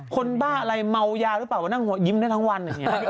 คนบ้าอะไรเมาหยาดอาจยิ้มได้ทั้งวัน